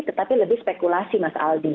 tetapi lebih spekulasi mas aldi